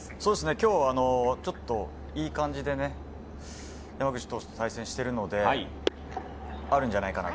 今日はいい感じで、山口投手と対戦しているので、あるんじゃないかなと。